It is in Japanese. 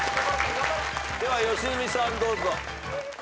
では良純さんどうぞ。